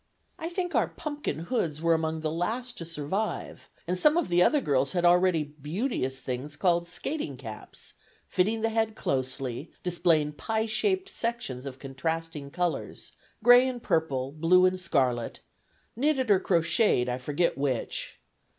I think our pumpkin hoods were among the last to survive, and some of the other girls had already beauteous things called skating caps, fitting the head closely, displaying pie shaped sections of contrasting colors, gray and purple, blue and scarlet, knitted or crocheted, I forget which.